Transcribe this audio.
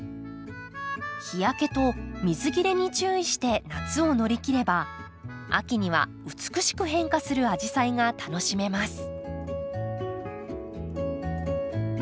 日焼けと水切れに注意して夏を乗り切れば秋には美しく変化するアジサイが楽しめます。